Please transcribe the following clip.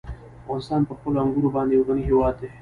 افغانستان په خپلو انګورو باندې یو غني هېواد دی.